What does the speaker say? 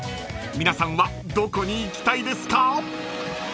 ［皆さんはどこに行きたいですか？］